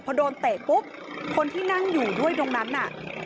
พอโดนเตะปุ๊บคนที่นั่งอยู่ด้วยตรงนั้นน่ะ